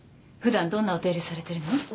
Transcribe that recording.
普段どんなお手入れされてるの？